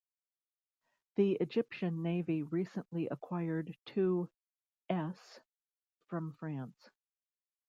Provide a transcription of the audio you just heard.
The Egyptian Navy recently acquired two s from France.